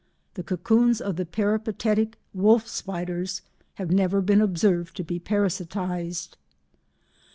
The cocoons of the peripatetic wolf spiders have never been observed to be parasitised.